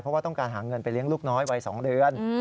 เพราะว่าต้องการหาเงินไปเลี้ยงลูกน้อยวัย๒เดือน